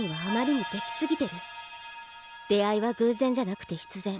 出会いは偶然じゃなくて必然。